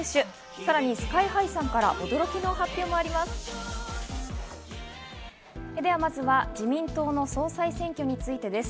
さらにＳＫＹ−ＨＩさんから驚きの発表もあります。